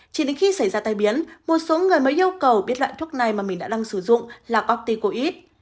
chỉ đến khi xảy ra tai biến một số người mới yêu cầu biết loại thuốc này mà mình đã đang sử dụng là orticoid